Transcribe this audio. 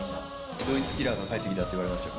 ドイツキラーが帰ってきたと言われましたよ。